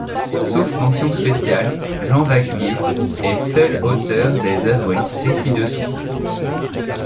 Sauf mention spéciale, Jean Vaquié est seul auteur des œuvres listées ci-dessous.